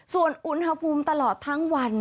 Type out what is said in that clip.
ส่วนอุณหภูมิตลอดทั้งวัน